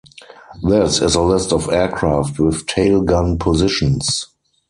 This is a list of aircraft with tail gun positions.